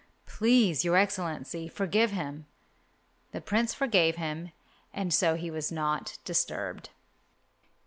Please, Your Excellency, forgive him." The Prince forgave him and so he was not disturbed.